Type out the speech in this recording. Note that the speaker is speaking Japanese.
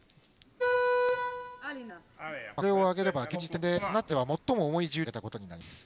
これを上げれば現時点でスナッチでは最も重い重量を上げたことになります。